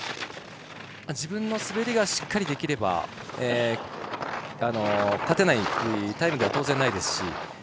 自分の滑りがしっかりできれば勝てないタイムでは当然、ないですし。